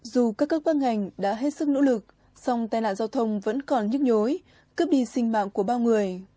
dù các cơ quan ngành đã hết sức nỗ lực song tài nạn giao thông vẫn còn nhức nhối cướp đi sinh mạng của bao người